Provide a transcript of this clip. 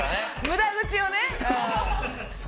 無駄口をね。